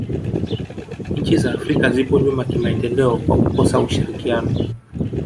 nchi za afrika zipo nyuma kimaendeleo kwa kukosa ushirikiano